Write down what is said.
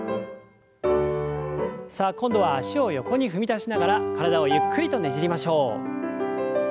さあ今度は脚を横に踏み出しながら体をゆっくりとねじりましょう。